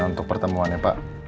untuk pertemuannya pak